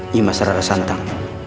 nimas rara santang